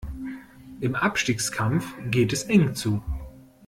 Im Abstiegskampf geht es eng zu.